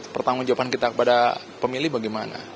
pertanggung jawaban kita kepada pemilih bagaimana